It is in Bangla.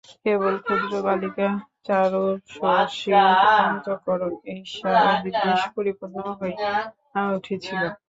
কেবল ক্ষুদ্র বালিকা চারুশশীর অন্তঃকরণ ঈর্ষা ও বিদ্বেষে পরিপূর্ণ হইয়া উঠিল।